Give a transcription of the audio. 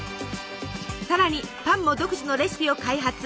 さらにパンも独自のレシピを開発。